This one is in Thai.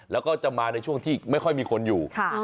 แล้วก็จะมาในช่วงที่ไม่ค่อยมีคนอยู่